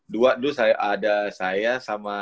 dua dulu ada saya sama